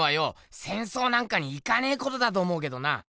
戦争なんかに行かねぇことだと思うけどな。